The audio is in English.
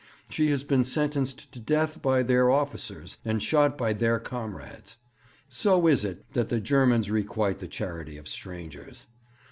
She has been sentenced to death by their officers, and shot by their comrades. So is it that the Germans requite the charity of strangers.